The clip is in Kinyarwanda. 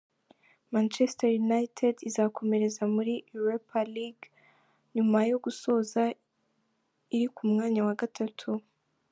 Manchester United izakomereza muri Europa League nyuma yo gusoza iri ku mwanya wa gatatu.